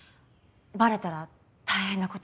バレたら大変なことになる。